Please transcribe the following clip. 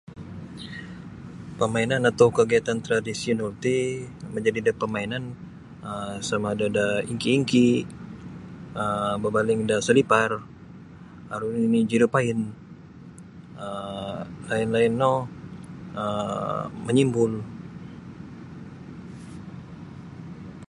Pamainan atau kagiatan tradisi nu ti manjadi da pamainan um sama da ingki-ingki um babaling da salipar aru nini main jurupain um lain-lain no um manyimbul.